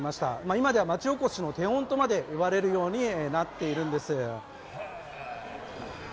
今では町おこしの手本とまで言われるまでなっているんです。